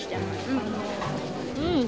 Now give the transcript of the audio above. うん。